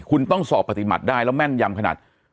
คุณต้องสอบปฏิบัติได้แล้วแม่นยำขนาด